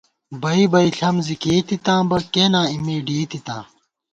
بئ بئ ݪم زِی کېئی تِتاں بہ، کېنا اېمےڈېئی تِتاں